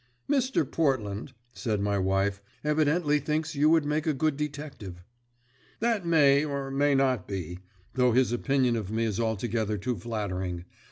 "Mr. Portland," said my wife, "evidently thinks you would make a good detective." "That may or may not be, though his opinion of me is altogether too flattering.